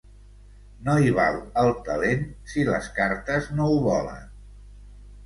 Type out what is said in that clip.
No hi val el talent si les cartes no ho volen.